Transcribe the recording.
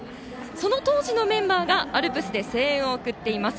その当時のメンバーがアルプスで声援を送っています。